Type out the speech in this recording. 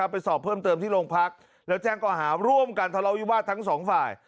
ไปสอบเพิ่มเติมที่โรงพักแล้วแจ้งก่อหาร่วมกันทะเลาวิวาสทั้งสองฝ่าย